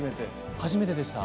初めてでした。